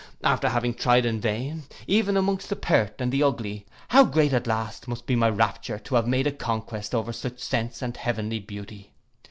After having tried in vain, even amongst the pert and the ugly, how great at last must be my rapture to have made a conquest over such sense and such heavenly beauty.